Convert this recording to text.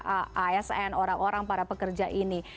asn orang orang para pekerja ini